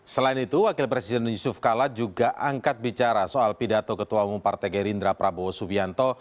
selain itu wakil presiden yusuf kala juga angkat bicara soal pidato ketua umum partai gerindra prabowo subianto